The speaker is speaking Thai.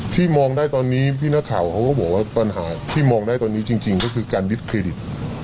ที่มองได้ตอนนี้พี่นักข่าวเขาก็บอกว่าปัญหาที่มองได้ตอนนี้จริงก็คือการดิสเครดิต